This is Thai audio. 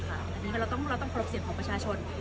อันนี้เราต้องเคารพเสียงของประชาชน